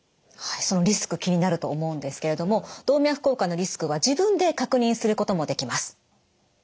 はいそのリスク気になると思うんですけれども動脈硬化のリスクは自分で確認することもできます。